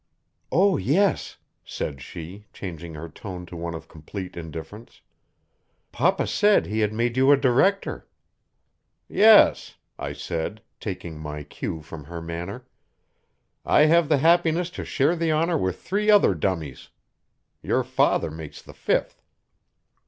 "Oh, yes," said she, changing her tone to one of complete indifference. "Papa said he had made you a director." "Yes," I said, taking my cue from her manner. "I have the happiness to share the honor with three other dummies. Your father makes the fifth."